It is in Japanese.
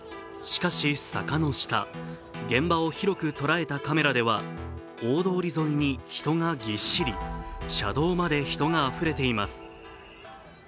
しかし、坂の下、現場を広く捉えたカメラには大通り沿いに人がぎっしり、車道まで人があふれています。